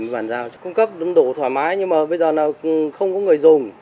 công trình đã xuống cấp đủ thoải mái nhưng mà bây giờ là không có người dùng